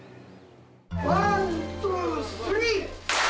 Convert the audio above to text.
ワンツースリー！